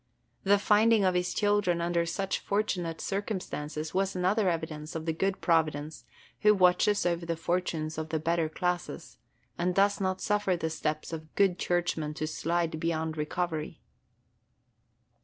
The finding of his children under such fortunate circumstances was another evidence of the good Providence who watches over the fortunes of the better classes, and does not suffer the steps of good Churchmen to slide beyond recovery.